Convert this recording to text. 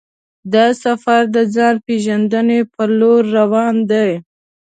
دا سفر د ځان پېژندنې پر لور روان دی.